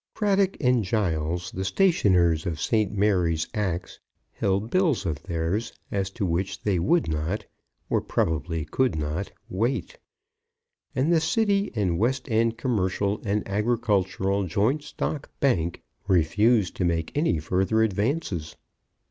Craddock and Giles, the stationers of St. Mary Axe, held bills of theirs, as to which they would not, or probably could not, wait; and the City and West End Commercial and Agricultural Joint Stock Bank refused to make any further advances.